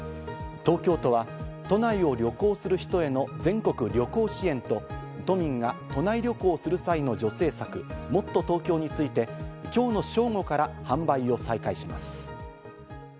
東京都は都内を旅行する人への全国旅行支援と都民が都内旅行をする際の助成策、もっとＴｏｋｙｏについて、今日の正午から販売を再開します。